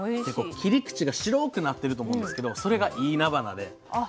で切り口が白くなってると思うんですけどそれがいいなばなで。